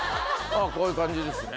こういう感じですね